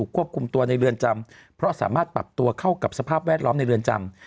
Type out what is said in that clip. ควบคุมตัวในเรือนจำเพราะสามารถปรับตัวเข้ากับสภาพแวดล้อมในเรือนจำ